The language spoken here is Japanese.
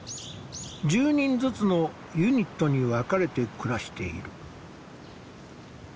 １０人ずつのユニットに分かれて暮らしている。